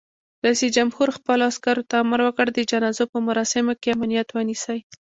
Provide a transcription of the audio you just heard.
رئیس جمهور خپلو عسکرو ته امر وکړ؛ د جنازو په مراسمو کې امنیت ونیسئ!